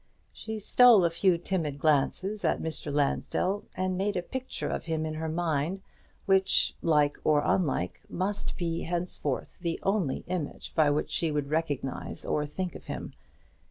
She stole a few timid glances at Mr. Lansdell, and made a picture of him in her mind, which, like or unlike, must be henceforth the only image by which she would recognize or think of him.